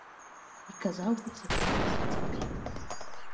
І казаў бы цікавей за цябе.